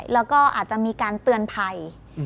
แล้วก็อาจจะมีการเตือนภัย